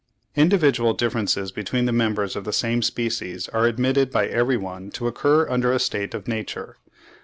Individual differences between the members of the same species are admitted by every one to occur under a state of nature.